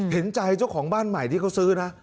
เห็นใจเจ้าของบ้านใหม่ที่เขาซื้อนะ